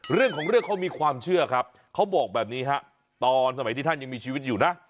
เรื่องของเรื่องเขามีความเชื่อครับเขาบอกแบบนี้ฮะตอนสมัยที่ท่านยังมีชีวิตอยู่นะ